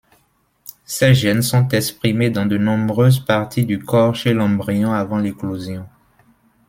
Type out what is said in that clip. Ces gène sont exprimés dans de nombreuses parties du corps chez l'embryon avant l'éclosion.